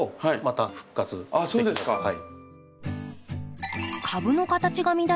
はい。